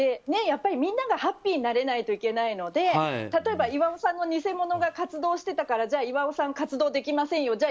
やっぱりみんながハッピーになれないといけないので例えば岩尾さんの偽者が活動してたからじゃあ岩尾さん活動できませんよ